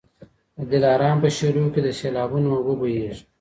د دلارام په شېلو کي د سېلابونو اوبه بهیږي